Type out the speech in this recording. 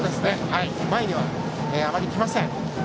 前にはあまり来ません。